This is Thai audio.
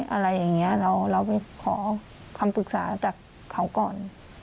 อะไรอย่างนี้เราไปขอคำปรึกษาจากเขาก่อน